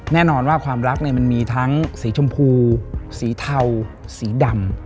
แน่นอนว่าความรักเนี่ยมันมีทั้งสีชมพูสีเทาสีดำ